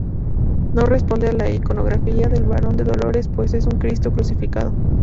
No responde a la iconografía del Varón de dolores, pues es un Cristo crucificado.